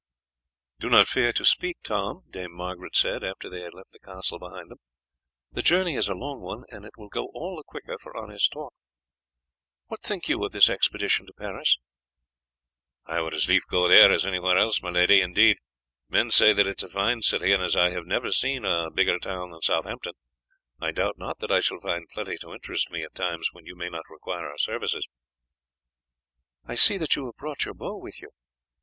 "Do not fear to speak, Tom," Dame Margaret said, after they had left the castle behind them; "the journey is a long one, and it will go all the quicker for honest talk. What think you of this expedition to Paris?" "I would as lief go there as anywhere else, my lady. Indeed, men say that it is a fine city, and as I have never seen a bigger town than Southampton, I doubt not that I shall find plenty to interest me at times when you may not require our services." "I see that you have brought your bow with you."